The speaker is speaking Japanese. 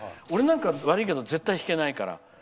俺なんかは悪いけど絶対弾けないから。